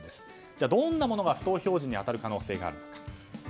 じゃあ、どんなものが不当表示に当たる可能性があるか。